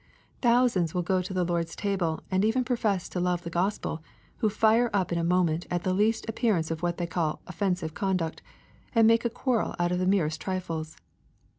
Thousands will go to the Lord's ta ble, and even profess to love the Gospel, who fire up in a moment at the least appearance of what they call "of fensive'' conduct, and make a quarrel out of the merest trifles.